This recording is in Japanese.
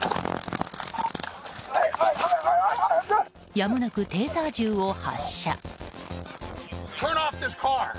やむなくテーザー銃を発射。